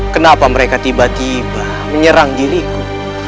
kenapa mereka tiba tiba menyerang diriku